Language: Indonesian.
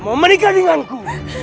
sembarah tolong aku